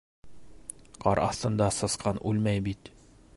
- Ҡар аҫтында сысҡан үлмәй бит.